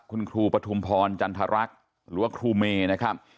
คุณครูปฐุมพรจันทรรักษ์หรือว่าครูเมนะครับ